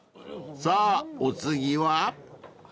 ［さぁお次は？］